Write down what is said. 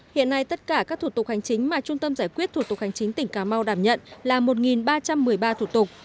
hiện nay tất cả các thủ tục hành chính mà trung tâm giải quyết thủ tục hành chính tỉnh cà mau đảm nhận là một ba trăm một mươi ba thủ tục